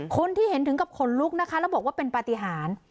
คนที่เห็นถึงกับขนลุกนะคะแล้วบอกว่าเป็นปฏิหาร